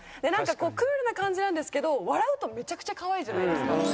なんかこうクールな感じなんですけど笑うとめちゃくちゃ可愛いじゃないですか。